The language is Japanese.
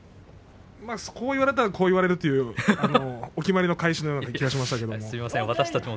そう言われたらこういう言われるというお決まりの返しのような気がしますけれども。